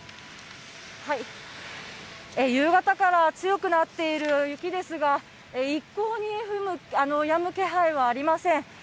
夕方から強くなっている雪ですが、一向にやむ気配はありません。